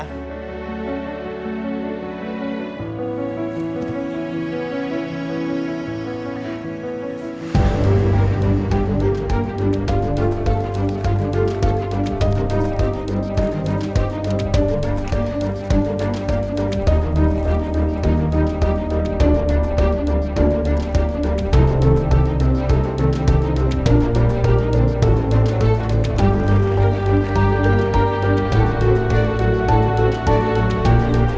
saya bukan orang jahat